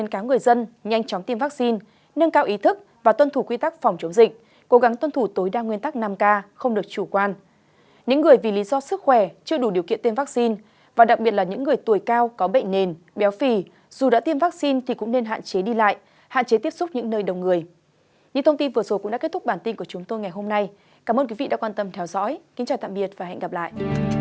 cảm ơn quý vị đã quan tâm theo dõi kính chào tạm biệt và hẹn gặp lại